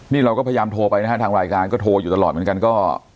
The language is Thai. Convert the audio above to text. นี่เราก็พยายามโทรไปนะฮะทางรายการก็โทรอยู่ตลอดเหมือนกันก็